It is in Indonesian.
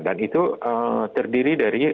dan itu terdiri dari